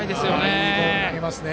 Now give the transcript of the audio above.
いいボールを投げますね。